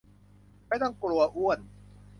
ไม่ต้องกลัวอ้วน